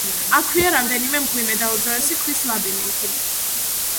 აქვეა რამდენიმე მღვიმე და უძველესი ქვის ლაბირინთი.